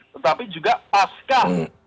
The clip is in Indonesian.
tetapi juga paskan